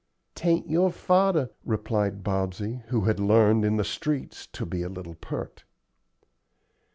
"'Tain't your fodder," replied Bobsey, who had learned, in the streets, to be a little pert.